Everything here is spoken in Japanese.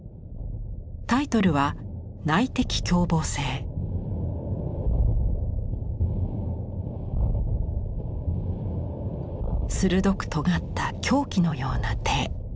タイトルは鋭くとがった凶器のような手。